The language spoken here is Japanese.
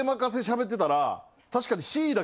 確かに。